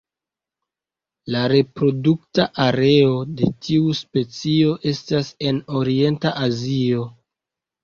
La reprodukta areo de tiu specio estas en Orienta Azio.